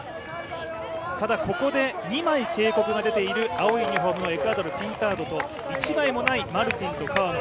ただここで２枚警告が出ている青いユニフォームのエクアドルピンタードと、１枚もないマルティンと川野。